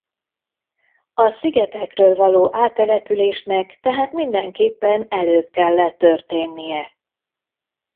A szigetekről való áttelepülésnek tehát mindenképpen előbb kellett történnie.